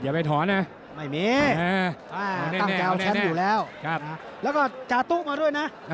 ไปถอนนะไม่มีตั้งใจเอาแชมป์อยู่แล้วแล้วก็จาตุ๊มาด้วยนะ